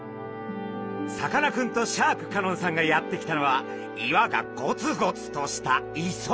さかなクンとシャーク香音さんがやって来たのは岩がゴツゴツとした磯。